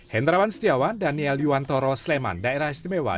hendrawan setiawan daniel yuwantoro sleman daerah istimewa